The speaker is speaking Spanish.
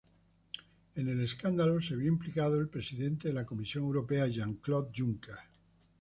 En el escándalo se vio implicado el presidente de la Comisión Europea Jean-Claude Juncker.